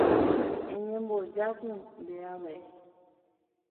eñembojápy ndeave.